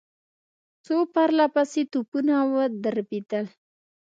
څو پرله پسې توپونه ودربېدل.